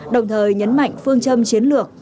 đồng thời nhấn mạnh phương châm chiến lược